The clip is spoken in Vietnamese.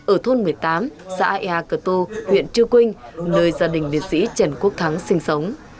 ở thôn một mươi tám xã ea cờ tô huyện chư quynh nơi gia đình liệt sĩ trần quốc thắng sinh sống